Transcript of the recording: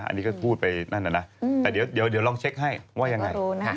อันนี้ก็พูดไปนั่นน่ะนะแต่เดี๋ยวลองเช็คให้ว่ายังไง